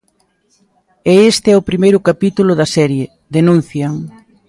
E este é o primeiro capítulo da serie, denuncian.